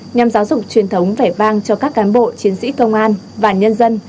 nhằm giáo dục truyền thống vẻ vang cho các cán bộ chiến sĩ công an và nhân dân